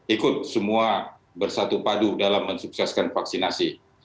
ikut semua bersatu padu dalam mensukseskan vaksinasi